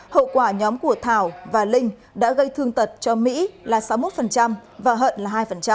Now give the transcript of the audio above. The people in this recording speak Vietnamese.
hậu quả nhóm của thảo và linh đã gây thương tật cho mỹ là sáu mươi một và hận là hai